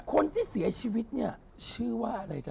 คนที่เสียชีวิตเนี่ยชื่อว่าอะไรจ๊